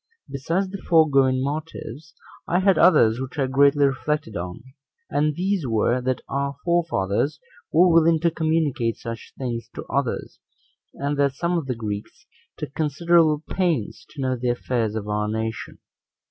Besides the foregoing motives, I had others which I greatly reflected on; and these were, that our forefathers were willing to communicate such things to others; and that some of the Greeks took considerable pains to know the affairs of our nation.